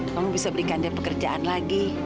kamu bisa berikan dia pekerjaan lagi